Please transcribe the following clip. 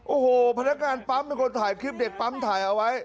โอ้โหพนักงานปั๊มเป็นคนถ่ายคลิปเด็กปั๊มถ่ายเอาไว้